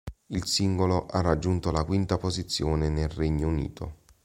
Il singolo ha raggiunto la quinta posizione nel Regno Unito.